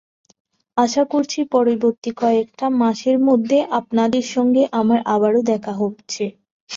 আশা করছি, পরবর্তী কয়েকটা মাসের মধ্যেই আপনাদের সঙ্গে আমার আবারও দেখা হচ্ছে।